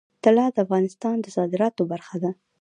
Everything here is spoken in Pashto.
طلا د افغانستان د صادراتو برخه ده.